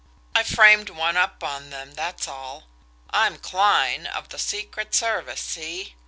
I framed one up on them, that's all. I'm Kline, of the secret service see?